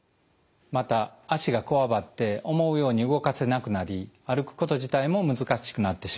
また脚がこわばって思うように動かせなくなり歩くこと自体も難しくなってしまいます。